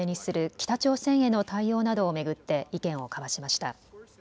北朝鮮への対応などを巡って意見を交わしました。